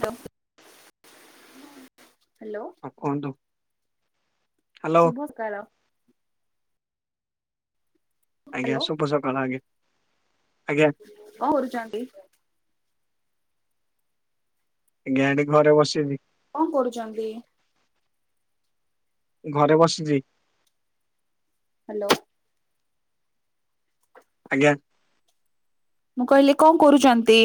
Hello hello କହନ୍ତୁ ଶୁଭ ସକାଳ ଆଜ୍ଞା ହ୍ୟାଲୋ ଶୁଭ ସକାଳ ଆଜ୍ଞା ଆଜ୍ଞା କଣ କରୁଚନ୍ତି ଗାଁ ରେ ଘରେ ବସିଲି କଣ କରୁଛନ୍ତି ଘରେ ବସିଛି ହ୍ୟାଲୋ ଆଜ୍ଞା ମୁଁ କହିଲି କଣ କରୁଛନ୍ତି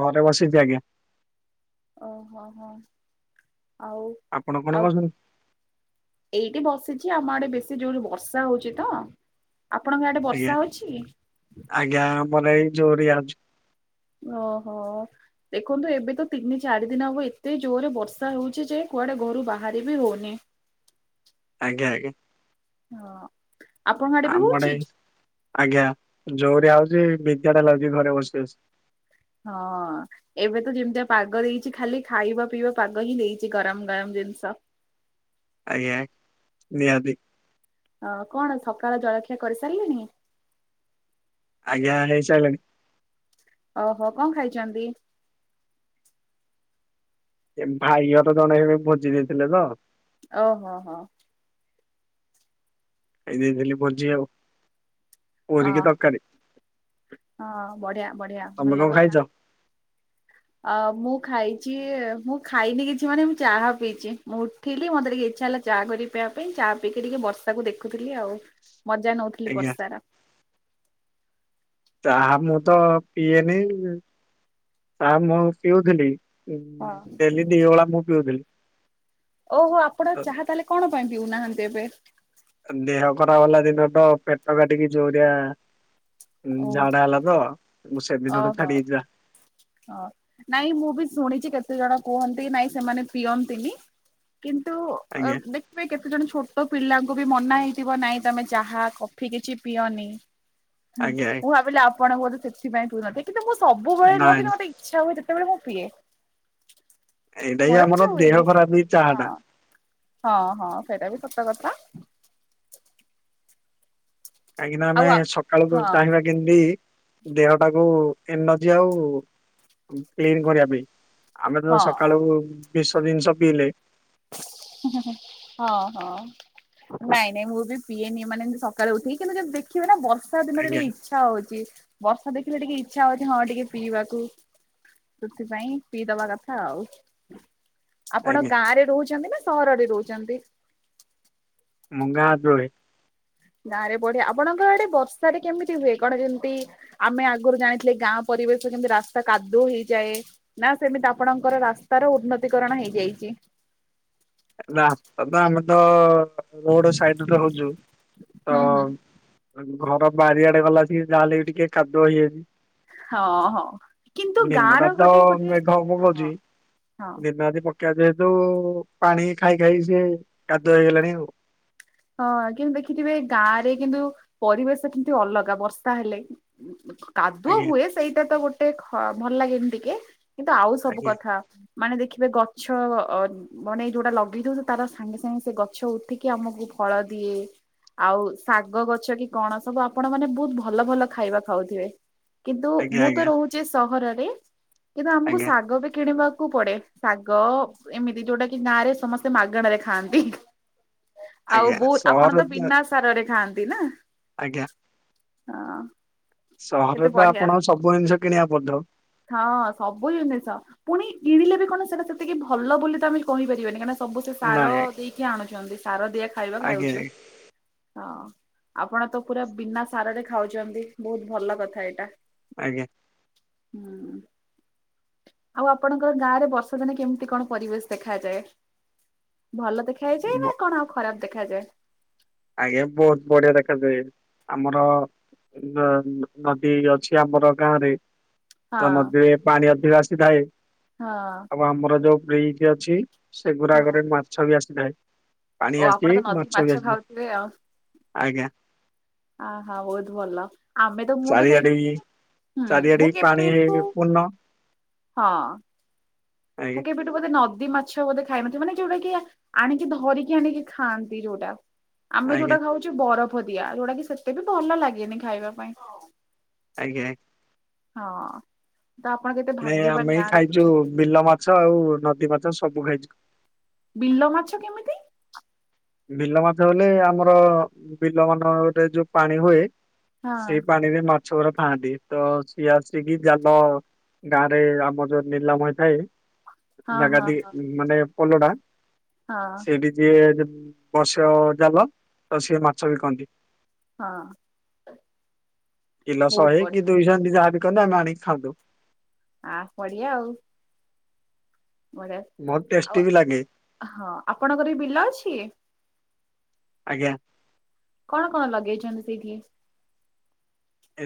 ଘରେ ବସିଛି ଆଜ୍ଞା ଓହୋ ହୋ ହୋ ଆଉ ଆପଣ କଣ ଆଉ କରୁଛନ୍ତି? ଏଇଠି ବସିଛି ଆମ ଆଡ଼େ ବେଶୀ ଜେରେ ବର୍ଷା ହଉଛି ତ ଆପଣଙ୍କ ଆଡ଼େ ଆଜ୍ଞା ବର୍ଷା ହଉଛି ଆଜ୍ଞା ଆମର ଏଇ ଯୋରିଆ ହୋଉଚି ଓହୋ ଦେଖନ୍ତୁ ଏବେ ତ ତିନି ଚାରି ଦିନ ହବ ଏତେ ଜୋରେ ବର୍ଷା ହେଉଛି ଯେ କୁଆଡ଼େ ଘରୁ ବାହାରି ବିି ହେଉନି ଆଜ୍ଞା ଆଜ୍ଞା ହଁ ଆପଣଙ୍କ ଆଡେ ବି ଆମର ହଉଛି ଆଜ୍ଞା ଯୋଓରିଆ ହେଉଛି ବେକାରୀଆ ଲାଗଛି ଘରେ ବସି ବସି ହଁ ଏବେ ତ ଯେମିତିଆ ପାଗ ଦେଇଛି ଖାଲି ଖାଇବା ପିଇବା ପାଗ ହିଁ ଦେଇଛି ଗରମ ଗରମ ଜିନିଷ ଆଜ୍ଞା ନିହାତି ଆଉ କଣ ସକାଳ ଜଳଖିଆ କରିସାରିଲେଣି ଆଜ୍ଞା ହେଇସାରିଲାଣି ଓହୋ କଣ ଖାଇଛନ୍ତି ଏ ଭାଇ ଘର ଜଣେ ଏବେ ଭୋଜି ଦେଇଥିଲେ ତ ଓହୋ ହୋ ହୋ ଏ ଦେଇଥିଲି ଭୋଜି ଆଉ ହଁ ପୁରୀ କି ତରକାରୀ। ହଁ ବଢିଆ ବଢିଆ ତମେ କଣ ଭଲ ଖାଇଛ? କଥା ଅ ମୁଁ ଖାଇଛି ମୁଁ ଖାଇନି କିଛି ମାନେ ମୁଁ ଚାହା ପିଇଛି ମୁଁ ଥିଲି ମତେ ଟିକେ ଇଚ୍ଛା ହେଲା ଚା କରିିକି ପିଇବା ପାଇଁ ଚା ପିଇକି ଟିକେ ବର୍ଷାକୁ ଦେଖୁଥିଲି ଆଉ ମଜା ନେଉଥିଲି ଆଜ୍ଞା ବର୍ଷାର। ଚାହା ମୁଁ ତ ପିଏନି ଚାହା ମୁଁ ପିଉଥିଲି ହଁ ହଁ ଡେଲି ଦିଓଳା ମୁଁ ପିଉଥିଲି। ଓହୋ ଆପଣ ତ ଚାହା ତାହେଲେ କଣ ପାଇଁ ପିଉନାହାନ୍ତି ଏବେ? ଦେହ ଖରାପ୍ ହେଲା ଦିନ ଠୁ ପେଟ କାଟିକି ଜୋରି ଆ ଓ ଝାଡା ହେଲା ତ। ମୁଁ ସେଦିନଠୁ ଓହୋ। ଛାଡି ଦେଇଛି ଚା ହଁ -ନାଇଁ ମୁଁ ବି ଶୁଣିଚି କେତେ ଜଣ କୁହନ୍ତି ନାଇଁ ସେମାନେ ପିଅନ୍ତିନି। କିନ୍ତୁ ଆଜ୍ଞା ଅ- ଦେ ଏ କେତେ ଜଣ ଛୋଟ ପିଲାଙ୍କୁ ବି ମନା ହେଇଥିବ ନାଇଁ ତମେ ଚାହା, କଫି କିଛି ପିଅନି। ହୁଁ ଆଜ୍ଞା ଆଜ୍ଞା ମୁଁ ଭାବିଲି ଆପଣଙ୍କୁ ବୋଧେ ସେଥିପାଇଁ କୁହନ୍ତି କିନ୍ତୁ ମୁଁ ସବୁବେଳେ ନୁହଁ ନାଇଁ କିନ୍ତୁ ମତେ ଇ ଆଛା ହବ ଯେତେବେଳେ ମୁଁ ପିଏ। ଏଇଟା ବି ମୋର କିଛି ଆମର ଦେହ ହୁଏନି ଖରାପ୍ ହୁଏ ଚାହା ଟା। ହଁ ହଁ ହଁ ସେଇଟା ବି ସତ କଥା। କାହିଁକିନା ଆମେ ଆଉ ଆ ସକାଳୁ ହଁ ଚାହିଁବା କି [unintelligible] ଦେହ ଟାକୁ ଏନର୍ଜି ଆଉ କ୍ଲିନ୍ କରିବା ପାଇଁ। ଆମେ ତ ହଁ ସକାଳୁ ବିଷ ଜିନିଷ ପିଇଲେ ହଁ- ହଁ। ନାଇଁ -ନାଇଁ ମୁଁ ବି ପିଏନି ମାନେ ସକାଳେ ଉଠି କିନ୍ତୁ ଦେଖିବେ ନା ବର୍ଷା ଦିନରେ ଆଜ୍ଞା ଟିକେ ଇଛା ଇଛା ହଉଚି ବର୍ଷା ଦେଖିଲେ ଟିକେ ଇଚ୍ଛା ହଉଚି ହଁ ଟିକେ ପିଇବାକୁ। ସେଥିପାଇଁ ପିଇ ଦବା କଥା ଆଉ। ଆପଣ ଆଜ୍ଞା ଗାଁରେ ରହୁଚନ୍ତି ନା ସହରରେ ରହୁଚନ୍ତି? ମୁଁ ଗାଁରେ ରୁହେ। ଗାଁ ରେ ବଢିଆ ଆପଣଙ୍କ ଆଡେ ବର୍ଷାରେ କେମିତି ହୁଏ କଣ ଯେମତି ଆମେ ଆଗୁରୁ ଜାଣିଥିଲେ ଗାଁ ପରିବେଶରେ କେମିତି ରାସ୍ତା କାଦୁଅ ହେଇଯାଏ। ନା ସେମିତି ଆପଣଙ୍କର ରାସ୍ତା ର ଉନ୍ନତିକରଣ ହେଇଯାଇଚି? ରାସ୍ତା ତ ଆମେ ତ ରୋଡ ସାଇଡ୍ ରେ ରହୁଚୁ ତ ହୁଁ ହୁଁ। ଆ -ଘର ବାରିଆଡେ ଗଲା ସିକି ଯାହାହେଲେ ବି ଟିକେ କାଦୁଅ ହେଇଯାଇଚି। ହଁ ହଁ କିନ୍ତୁ ଦିନ ଟା ଗାଁର ତ ଗୋଟେ ଗୋଟେ ମେଘ ହଁ [unintelligible] ହଁ। ଦିନରାତି ପକେଇବା ଯେହେତୁ ପାଣି ଖାଇ ଖାଇ ସିଏ କାଦୁଅ ହେଇଗଲାଣି ଆଉ। ହଁ କିନ୍ତୁ ଦେଖିଥିବେ ଗାଁ ରେ କିନ୍ତୁ ପରିବେଶ କିନ୍ତୁ ଅଲଗା ବର୍ଷା ହେଲେ। କାଦୁଅ ଆଜ୍ଞା ହୁଏ ସେଇଟା ତ ଗୋଟେ ଖ -ଭଲ ଲାଗେନି ଟିକେ। କିନ୍ତୁ ଆଉ ସବୁ ଆଜ୍ଞା କଥା ମାନେ ଦେଖିବେ ଗଛ ଅ- ମାନେ ଯଉଟା ଲଗେଇ ଦଉଚି ତାର ସାଙ୍ଗେ ସାଙ୍ଗେ ସେ ଗଛ ଉଠିକି ଆମକୁ ଫଳ ଦିଏ। ଆଉ ଶାଗ ଗଛ କି କଣ ସବୁ ଆପଣ ମାନେ ବହୁତ ଭଲ ଭଲ ଖାଇବା ଖାଉଥିବେ। କିନ୍ତୁ ଆଜ୍ଞା ମୁଁ ତ ଆଜ୍ଞା ରହୁଚି ସହରରେ କିନ୍ତୁ ଆମକୁ ଆଜ୍ଞା ଶାଗ ବି କିଣିବାକୁ ପଡେ। ଶାଗ ଏମିତି ଯଉଟା କି ଗାଁ ରେ ସମସ୍ତେ ମାଗେଣାରେ ଖାଆନ୍ତି। ଆଉ ଆଜ୍ଞା ବହୁତ୍ ଆପଣ ସହର ତ ବିନା ସାରରେ ଖାଆନ୍ତି ନା। ଆଜ୍ଞା। ହଁ। କେତେ ସହରରେ ତ ବଢିଆ ଆପଣଙ୍କୁ ସବୁ ଜିନିଷ କିଣିବାକୁ ପଡୁଥିବ? ହଁ ସବୁ ଜିନିଷ ପୁଣି କିଣିଲେ ବି କଣ ସେଇଟା ସେତିକି ଭଲ ବୋଲି ତ ଆମେ କହିପାରିବନି କାରଣ ସବୁ ସେ ସାର ନାଇଁ ଦେଇକି ଆଣୁଚନ୍ତି ସାର ଦିଆ ଖାଇବା ଆଜ୍ଞା ଖାଉଚୁ। ହଁ ଆପଣ ତ ପୁରା ବିନା ସାରରେ ଖାଉଚନ୍ତି ବହୁତ୍ ଭଲ କଥା ଏଇଟା। ଆଜ୍ଞା। ହୁଁ। ଆଉ ଆପଣଙ୍କର ଗାଁ ରେ ବର୍ଷାଦିନେ କେମିତି କଣ ପରିବେଶ ଦେଖାଯାଏ? ଭଲ ଦେଖା ହେଇଯାଏ ନା ବ- କଣ ଆଉ ଖରାପ ଦେଖାଯାଏ? ଆଜ୍ଞା ବହୁତ ବଢିଆ ଦେଖାଯାଏ ଆମର ଉଁ ନ ନଦୀ ଅଛି ଆମର ଗାଁ ରେ। ତ ହଁ ନଦୀରେ ପାଣି ଅଧିକ ଆସିଥାଏ। ହଁ ଆଉ ଆମର ଯୋଉ ବ୍ରିଜ୍ ଅଛି ହଁ ସେଗୁରାକରେ ମାଛ ବି ଆସିଥାଏ। ପାଣି ଆସି ମାଛ ବି ଆସିଥାଏ। ଏମିତି ଆଉ। ଆଜ୍ଞା। ଆ ହା ବହୁତ ଭଲ ଆମେ ତ ମୁଁ ତ କାହିଁ ଚାରିଆଡେ ବି ଚାରିଆଡେ ବି ପାଣି ହେଇଆଇଚି ପୂର୍ଣ୍ଣ। ହଁ ଆଜ୍ଞା ମୁଁ କେବେ ବୋଧେ ନଦୀ ମାଛ ବୋଧେ ଖାଇନଥିବି ମାନେ ଯୋଉଟା କି ଆଣିକି ଧରିକି ଆଣିକି ଖାଆନ୍ତି ଯୋଉଟା। ଆମେ ଆଜ୍ଞା ଯୋଉଟା ଖାଉଚୁ ବରଫ ଦିଆ ଯୋଉଟା କି ସେତେ ବି ଭଲ ଲାଗେନି ଖାଇବା ପାଇଁ। ଆଜ୍ଞା। ହଁ। ତ ଆପଣ କେତେ ନାଇଁ ଭାଗ୍ୟବାନ ଆମେ ଏଇ ଗାଁରେ ଖାଇଚୁ ରହୁଛନ୍ତି। ବିଲ ମାଛ ଆଉ ନଦୀ ମାଛ ସବୁ ଖାଇଚୁ। ବିଲ ମାଛ କେମିତି? ବିଲ ମାଛ ବୋଲେ ଆମର ବିଲ ମାନକରେ ଯୋଉ ପାଣି ହୁଏ। ହଁ ସେ ପାଣିରେ ମାଛ ଗୁରା ଥାନ୍ତି ତ ସିଏ ଆସିକି ଜାଲ ଗାଁ ରେ ଆମର ଯୋଉ ନିଲାମ ହେଇଥାଏ। ହଁ ଜାଗା ହଁ ଦି ହଁ ମାନେ ପୋଲ ଟା ହଁ ସେଇଠି ଯିଏ ବସେଇବା ଜାଲ ତ ସିଏ ମାଛ ବିକନ୍ତି। ହଁ। କିଲୋ ବହୁତ ଶହେ କି ବଢିଆ ଦୁଇ ସ ଯାହାବି କନ ଆମେ ଆଣିକି ଖାଆନ୍ତୁ। ଆ ପଡ଼ିଆ ଆଉ। ବଢିଆ ବହୁତ ଟେଷ୍ଟି ଆଉ ବି ଲାଗେ ହଁ ଆପଣଙ୍କର ଏ ବିଲ ଅଛି। ଆଜ୍ଞା। କଣ କଣ ଲଗେଇଛନ୍ତି ସେଇଠି?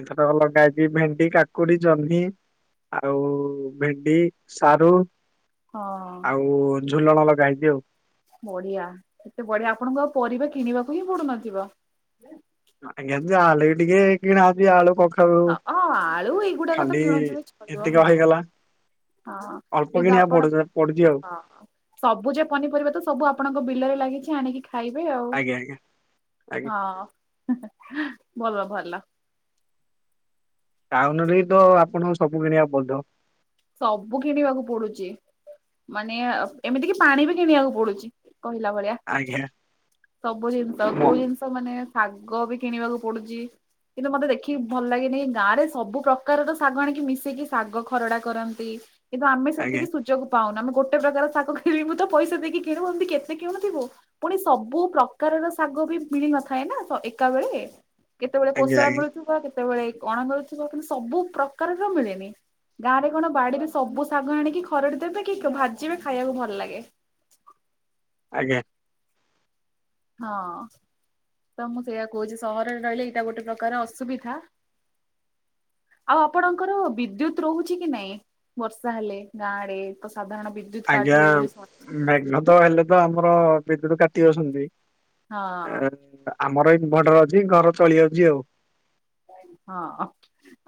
ଏଇଥରକ ଲଗା ହେଇଚି ଭେଣ୍ଡି, କାକୁଡି, ଜହ୍ନି ଆଉ ଭେଣ୍ଡି, ସାରୁ। ହଁ ଆଉ ଝୁଲଣ ଲଗା ହେଇଚି ଆଉ। ବଢିଆ ଏତେ ବଢିଆ ଆପଣଙ୍କୁ ଆଉ ପରିବା କିଣିବାକୁ ହିଁ ପଡୁନଥିବ। ଆଜ୍ଞା ଯାହା ହେଲେବି ଟିକେ କିଣା ହଉଚି ଆଳୁ କ ହଁ ହଁ ଆଳୁ ଏଇଗୁଡାକ ତ କିଣୁଥିବେ ଚଳିବ ଏତିକ ହଁ। ହେଇଗଲା ହଁ ଅଳ୍ପ କିନ୍ତୁ କିଣିବାକୁ ଆପଣ ପଡୁ ପଡୁଛି ଆଉ ହଁ ହଁ। ସବୁଜ ପନିପରିବା ତ ସବୁ ଆପଣଙ୍କ ବିଲରେ ଲାଗିଛି ଆଣିକି ଖାଇବେ ଆଉ ଆଜ୍ଞା ଆଜ୍ଞା ଆଜ୍ଞା। ହଁ [unintelligible] ଭଲ ଭଲ। ଟାଉନ ରେବି ତ ଆପଣଙ୍କୁ ସବୁ କିଣିବାକୁ ପଡୁଥିବ। ସବୁ କିଣିବାକୁ ପଡୁଚି। ମାନେ ଅ ଏମିତି କି ପାଣି ବି କିଣିବାକୁ ପଡୁଚି କହିଲା ଭଳିଆ। ଆଜ୍ଞା ସବୁ ଜିନିଷ ମୋ କୋଉ ଜିନିଷ ମାନେ ଶାଗ ବି କିଣିବାକୁ ପଡୁଚି। କିନ୍ତୁ ମତେ ଦେଖିକି ଭଲ ଲାଗେ ନି ଗାଁରେ ସବୁ ପ୍ରକାରର ଶାଗ ଆଣିକି ମିଶେଇକି ଶାଗ ଖରଡା। କରନ୍ତି କିନ୍ତୁ ଆମେ ଆଜ୍ଞା ସେତିକି ସୁ ଯୋଗ ପାଉନା ଆମେ ଗୋଟେ ପ୍ରକାର ଶାଗ କିଣିବୁ ତ ପଇସା ଦେଇକି କିଣୁ ଏମିତି କେତେ କିଣୁଥିବୁ। ପୁଣି ସବୁ ପ୍ରକାରର ଶାଗ ବି ମିଳି ନଥାଏ ନା ତ ଏକାବେଳେ। କେତେବେଳେ ଆଜ୍ଞା କୋଶଳା ଆଜ୍ଞା ମିଳୁଥିବ କେତେବେଳେ କଣ ମିଳୁଥିବ କିନ୍ତୁ ସବୁ ପ୍ରକାରର ମିଳେନି। ଗାଁ ରେ କଣ ବାଡିରେ ସବୁ ଶାଗ ଆଣିକି ଖରଡି ଦେବେ କି ଭାଜିବେ ଖାଇବାକୁ ଭଲ ଲାଗେ। ଆଜ୍ଞା। ହଁ। ତ ମୁଁ ସେଇଆ କହୁଛି ସହରରେ ରହିଲେ ଏଇଟା ଗୋଟେ ପ୍ରକାର ଅସୁବିଧା। ଆଉ ଆପଣଙ୍କର ବିଦ୍ୟୁତୁ ରହୁଛି କି ନାଇଁ? ବର୍ଷା ହେଲେ ଗାଁରେ ତ ସାଧାରଣ ବି ଆଜ୍ଞା ମେଘ ତ ହେଲେ ତ ଆମର ବିଦ୍ୟୁତ କାଟି ଦଉ ଛନ୍ତି। ଆମର ଇନିଭର୍ଟର ଅଛି ଘର ଚଳି ଯାଉଛି ଆଉ। ହଁ ଅଁ।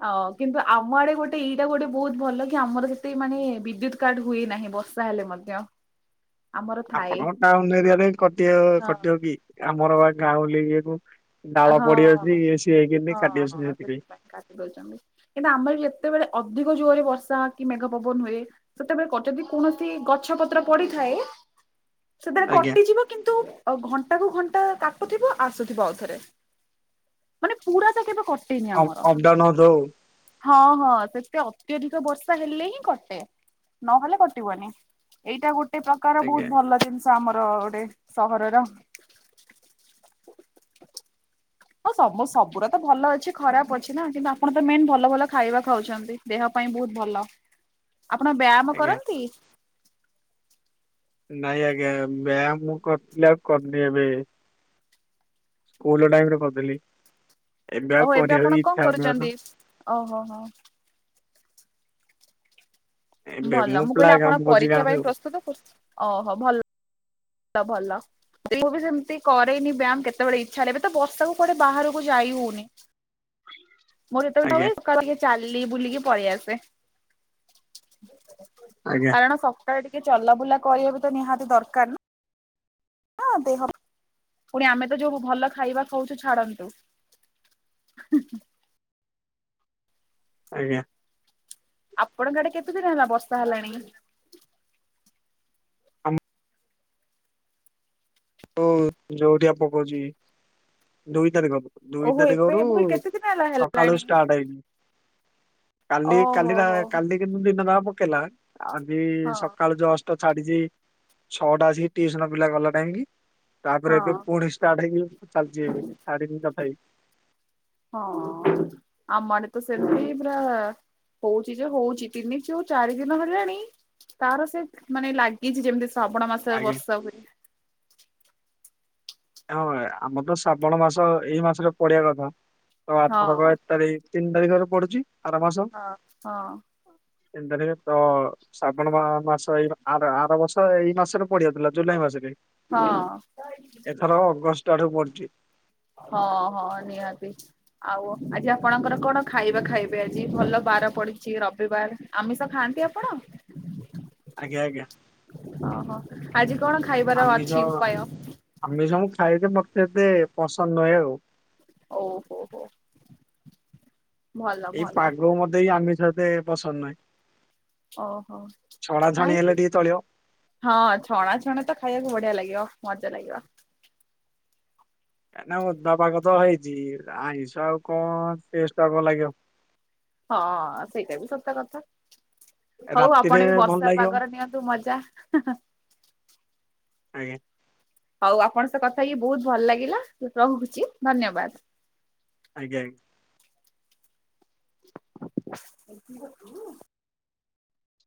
ଅ କିନ୍ତୁ ଆମ ଆଡେ ଗୋଟେ ଏଇଟା ଗୋଟେ ବହୁତୁ ଭଲ କି ଆମର ସେତେ ମାନେ ବିଦ୍ୟୁତ କାଟ ହୁଏ ନାହିଁ ବର୍ଷ ତା ହେଲେ ମଧ୍ୟ। [inaudible] ଆମର ଥାଏ ଆପଣଙ୍କ ଟାଉନୁ ଏରିଆରେ କଟି ହଁ କଟିବ କି ଆମର ବା ଗାଉଁଲି ଇଏକୁ ଡାଳ ହଁ ପଡିଯାଉଛି ଇଏ ସିଏ ହେଇକିନି କାଟି ହଁ ଦଉଛନ୍ତି ହଁ ସେଥିପାଇଁ କାଟି ଦଉଚନ୍ତି। କିନ୍ତୁ ଆମର ଯେତେବେଳେ ଅଧିକ ଜୋରେ ବର୍ଷା କି ମେଘ ପବନ ହୁଏ ସେତେବେଳେ ଯଦି କୌଣସି ଗଛ ପତ୍ର ପଡିଥାଏ। ସେଥିରେ ଆଜ୍ଞା କଟିଯିବ କିନ୍ତୁ ଘଣ୍ଟା କୁ ଘଣ୍ଟା କାଟୁଥିବେ ଆସୁଥିବ ଆଉଥରେ। ମାନେ ପୁରା ତ କେବେ କଟେନି ଅପ ଆମର। ଅପଡାଉନ ହଉଥିବ ଆଉ। ହଁ ହଁ ସେତେ ଅତ୍ୟଧିକ ବର୍ଷା ହେଲେ ହିଁ କଟେ। ନହେଲେ କଟିବନି ଏଇଟା ଏ ପ୍ରକାର ଆଜ୍ଞା ବହୁତ ଭଲ ଜିନିଷ ଆମର ଗୋଟେ ସହରର। ହଁ ସବୁ ସବୁରା ତ ଭଲ ଅଛି ଖରାପ ଅଛି ନା କିନ୍ତୁ ଆପଣ ତ ମେନ୍ ଭଲ ଭଲ ଖାଇବା ଖାଉଛନ୍ତି। ଦେହ ପାଇଁ ବହୁତୁ ଭଲ। [inaudible] ଆପଣ ବ୍ୟାୟାମ ଆଜ୍ଞା କରନ୍ତି? ନାଇଁ ଆଜ୍ଞା ବ୍ୟାୟାମ ମୁଁ କରୁଥିଲି ଆଉ କରୁନି ଏବେ। ସ୍କୁଲ ଟାଇମିରେ କରୁଥିଲି ଏବେ ଓହୋ ଆଉ ଆପଣ କରିବାକୁ ବି କଣ ଇଛା ହଉନି କରୁଛନ୍ତି? ତ। ଓହୋ ହୋ। ଏବେ ଭଲ ମୁଁ କହିଲି ପ୍ରାୟ ଆପଣ କାମ କରୁଛି ପରୀକ୍ଷା ଗାଁରେ ପାଇଁ ଆଉ ପ୍ରସ୍ତୁତ ତ ଓହୋ ଭଲ ଭଲ। ବି ସେମିତି କରେନି ବ୍ୟାୟାମ କେତେବେଳେ ଇଚ୍ଛା ହେଲେବି ତ ବର୍ଷା କୁ କୁଆଡେ ବାହାରକୁ ଯାଇ ହଉନି। ମୋର ଯେତେବେଳେ ଆଜ୍ଞା ହୁଏ [unintelligible] ଚାଲି ବୁଲିକି ପଳେଇ ଆସେ। ଆଜ୍ଞା କାରଣ ସକାଳେ ଟିକେ ଚଲାବୁଲା କରିବା ବି ତ ନିହାତି ଦରକାର ନା। ହଁ ଦେହ [unintelligible] ପୁଣି ଆମେ ତ ଯୋଉ ଭଲ ଖାଇବା ଖାଉଛୁ ଛାଡନ୍ତୁ। [unintelligible] ଆଜ୍ଞା। ଆପଣଙ୍କ ଆଡେ କେତେ ଦିନ ହେଲା ବର୍ଷା ହେଲାଣି? ଆମ ହୋ ଯୋଉଠି ଆପକଉଛି ଦୁଇ ତାରିଖଠୁ। ଦୁଇ ଓହୋ ଏବେ ତାରିଖରୁ ଏବେ କେତେ ଦିନ ହେଲା ସକାଳୁ ହେଲାଣି ଷ୍ଟାର୍ଟ ହେଇକି। କାଲି ଓହୋ କାଲିରା ହୋ କାଲି। [unintelligible] ଦିନ ନା ପକେଇଲା ଆଜି ହଁ ସକାଳୁ ଯଷ୍ଟ। ଟ ଛାଡିଛି ଛଅଟା ଆସିକି ଟିୟୁସନ ପିଲା ଗଲା ନେଇ କି। ତାପରେ ଏବେ ହଁ। ପୁଣି ଷ୍ଟାର୍ଟ ହେଇକି ଚାଲିଛି ଏବେ ଛାଡିନି ତଥାବି। ହଁ ଆମଆଡେ ତ ସେମିତି ପୁରା ହଉଛି ଯେ ହଉଛି ତିନି ଚଉ ଚାରି ଦିନ ହେଲାଣି ତାର ସେ ମାନେ ଲାଗିଛି ଯେମିତି ଶ୍ରାବଣ ମାସରେ ଆଜ୍ଞା ବର୍ଷା ହୁଏ। ହଁ ଆମର ତ ଶ୍ରାବଣ ମାସ ଏଇ ମାସରେ ପଡିଵା କଥା ତ ଆଥରକ ହଁ। ଏକ୍ ତାରିକି ତିନି ତାରିଖରେ ପଡୁଛି ଆର ମାସ ହଁ ତିନି ତାରିଖରେ ତ ଶ୍ରାବଣ ମା ମାସ ଏଇ ଆର ଆର ବର୍ଷ ଏଇ ମାସରେ ପଡିଆ ଥିଲା ଜୁଲାଇ ମାସରେ। ହଁ। ଏଥର ଅଗଷ୍ଟ ଆଡୁ ପଡୁଛି ହଁ ହଁ ନିହାତି। ଆଉ ଆଜି ଆପଣଙ୍କର କଣ ଖାଇବା ଖାଇବେ ଆଜି ଭଲ ବାର ପଡିଛି ରବିବାର? ଆମିଷ ଖାଆନ୍ତି ଆପଣ? ଆଜ୍ଞା ଆଜ୍ଞା। ଓହୋ ଆଜି କଣ ଖାଇବାର ଆମିଷ ଅଛି ଉପାୟ? ଆମିଷ ମୁଁ ଖାଏ ଯେ ମତେ ଏତେ ପସନ୍ଦ ନୁହେଁ ଉ। ଓହୋ ହୋ। ଭଲ ଏଇ ଭଲ ପାଗକୁ ମତେ ଏ ଆମିଷ ଏତେ ପସନ୍ଦ ନୁହେଁ। ଓହୋ ହେଲେ କାଇଁକି? ଟିକେ ଚଳିବ। ହଁ ଛଣା ଛଣି ତ ଖାଇବାକୁ ବଢିଆ ଲାଗିବ ମଜା ଲାଗିବ। କାଇଁନା ଓଦା ପାଗ ତ ହେଇଛି ଆଇଁଷ ଆଉ କଣ ଟେଷ୍ଟ ଆଗ ଲାଗିବ ହଁ ସେଇଟା ବି ସତ କଥା। ହଉ ରାତିରେ ଆପଣ ବି ଭଲ ବର୍ଷା ଲାଗିବ ପାଗରେ ନିଅନ୍ତୁ ମଜା ହାଁ ହାଁ। ଆଜ୍ଞା। ହଉ ଆପଣଙ୍କ ସହ କଥା ହେଇକି ବହୁତ୍ ଭଲ ଲାଗିଲା ରହୁଛି ଧନ୍ୟବାଦ। ଆଜ୍ଞା ଆଜ୍ଞା। ଏ [unintelligible]